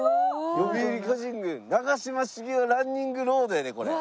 「読売巨人軍長嶋茂雄ランニングロード」やで。